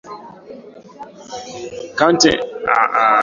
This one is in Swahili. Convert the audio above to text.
Kaunti nyingi za wafugaji